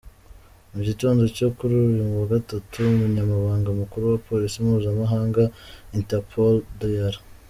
Mu gitondo cyo kuri uyu wa Gatatu, Umunyamabanga Mukuru wa Polisi Mpuzamahanga, Interpol, Dr.